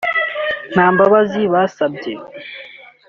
nta mbabazi basabye